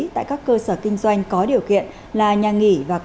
tại các cơ sở kinh doanh có điều kiện